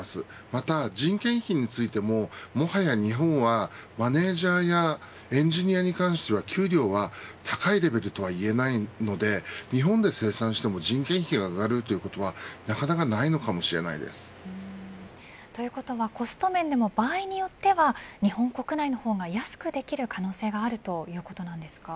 また人件費についてももはや日本はマネジャーやエンジニアに関しては給料は高いレベルとはいえないので日本で生産しても人件費が上がるということはなかなかということはコスト面でも、場合によっては日本国内の方が安くできる可能性があるということなんですか。